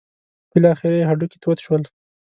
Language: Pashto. بالاخره یې هډوکي تود شول.